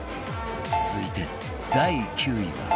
続いて第９位は